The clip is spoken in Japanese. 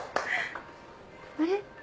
あれ？